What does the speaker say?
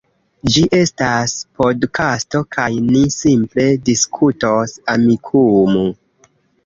Ĝi estas podkasto kaj ni simple diskutos Amikumu